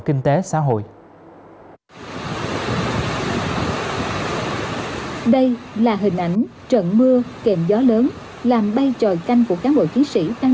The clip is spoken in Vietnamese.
kinh tế xã hội đây là hình ảnh trận mưa kèm gió lớn làm bay tròi canh của cán bộ chiến sĩ tăng